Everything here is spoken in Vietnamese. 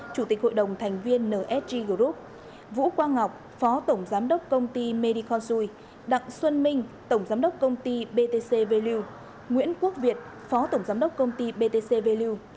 chủ tịch hội đồng thành viên nsg group vũ quang ngọc phó tổng giám đốc công ty mediconsui đặng xuân minh tổng giám đốc công ty btc value nguyễn quốc việt phó tổng giám đốc công ty btc value